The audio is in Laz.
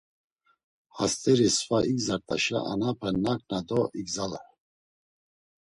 Hast̆eri sva igzart̆aşa, anape maǩna do igzalar.